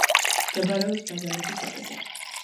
მდებარეობს ბაზალეთის ვაკეზე.